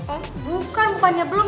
oh bukan bukannya belum